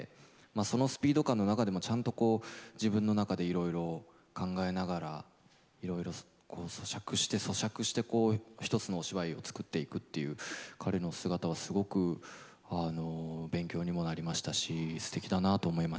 そのスピード感の中でもちゃんと自分の中でいろいろ考えながらいろいろ咀嚼して咀嚼してこう一つのお芝居を作っていくっていう彼の姿はすごく勉強にもなりましたしすてきだなと思いましたね。